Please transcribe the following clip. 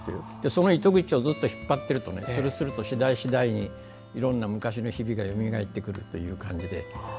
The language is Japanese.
その糸口をずっと引っ張っていくとするすると次第にいろんな昔の日々がよみがえってくるという感じで。